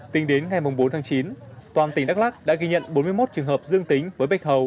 tính đến ngày bốn tháng chín toàn tỉnh đắk lắc đã ghi nhận bốn mươi một trường hợp dương tính với bạch hầu